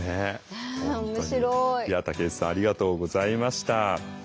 竹内さんありがとうございました。